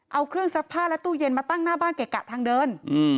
เอาเครื่องซักผ้าและตู้เย็นมาตั้งหน้าบ้านเกะกะทางเดิน